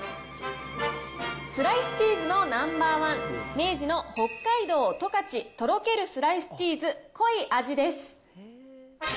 スライスチーズのナンバー１、明治の北海道十勝とろけるスライスチーズ濃い味です。